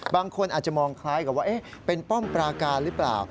บางคนอาจจะมองคล้ายกับว่าเป็นป้อมปราการหรือเปล่า